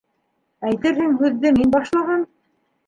—Әйтерһең, һүҙҙе мин башлаған!